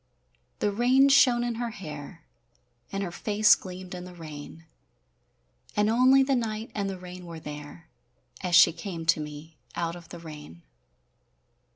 The rain shone in her hair, And her face gleamed in the rain; And only the night and the rain were there As she came to me out of the rain.